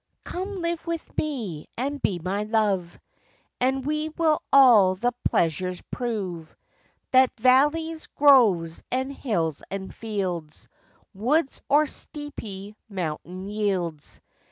Come live with me, and be my love, And we will all the pleasures prove That valleys, groves, and hills, and fields, Woods or steepy mountain yields.